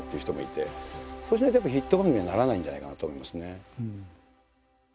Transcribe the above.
そうしないとやっぱヒット番組にはならないんじゃないかなと思いますね。